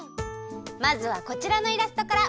まずはこちらのイラストから！